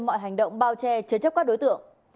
mọi hành động bao che chứa chấp các đối tượng